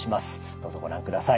どうぞご覧ください。